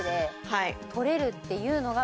はい。